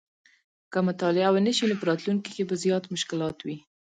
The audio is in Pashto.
که مطالعه ونه شي نو په راتلونکي کې به زیات مشکلات ولري